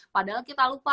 padahal kita lupa